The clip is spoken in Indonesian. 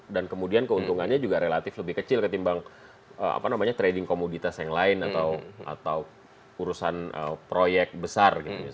dan kemudian keuntungannya juga relatif lebih kecil ketimbang trading komoditas yang lain atau urusan proyek besar